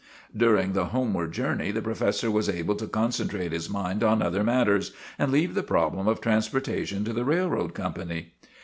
During the homeward journey the professor was able to concentrate his mind on other matters and leave the problems of transportation to the railroad company.